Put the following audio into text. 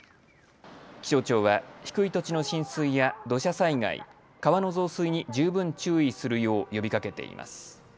気象庁は低い土地の浸水や土砂災害、川の増水に十分注意するよう呼びかけています。